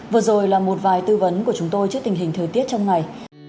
vừa rồi là một vài tư vấn của chúng tôi trước tình hình thời tiết trong ngày